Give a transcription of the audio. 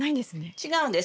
違うんです。